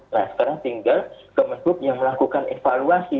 nah sekarang tinggal kemenhub yang melakukan evaluasi